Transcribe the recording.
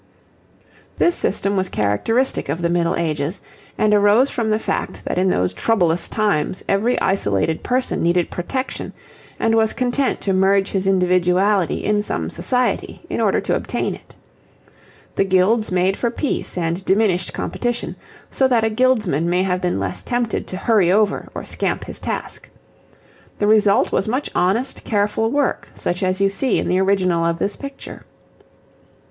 The system was characteristic of the Middle Ages, and arose from the fact that in those troublous times every isolated person needed protection and was content to merge his individuality in some society in order to obtain it. The guilds made for peace and diminished competition, so that a guildsman may have been less tempted to hurry over or scamp his task. The result was much honest, careful work such as you see in the original of this picture.